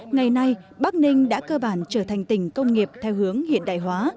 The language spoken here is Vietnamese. ngày nay bắc ninh đã cơ bản trở thành tỉnh công nghiệp theo hướng hiện đại hóa